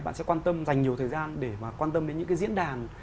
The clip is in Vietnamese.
bạn sẽ quan tâm dành nhiều thời gian để mà quan tâm đến những cái diễn đàn